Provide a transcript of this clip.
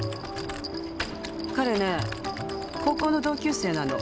彼ね高校の同級生なの。